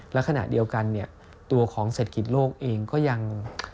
และขณะเดียวกันเนี่ยตัวของเศรษฐกิจโลกเองก็ยัง